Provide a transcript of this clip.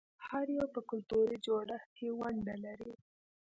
هر یو په کلتوري جوړښت کې ونډه لري.